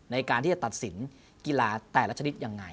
ในการที่จะตัดสินกีฬาแต่ละชนิดยังไง